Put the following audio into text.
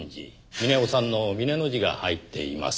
峰夫さんの峰の字が入っています。